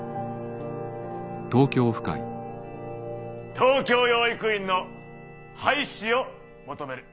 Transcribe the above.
東京養育院の廃止を求める！